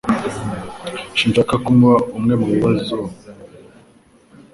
Sinshaka kuba umwe mubibazo